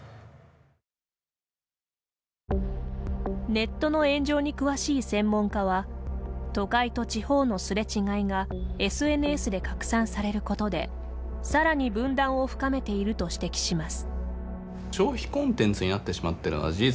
ネットの炎上に詳しい専門家は都会と地方のすれ違いがＳＮＳで拡散されることでさらに分断を深めていると指摘します。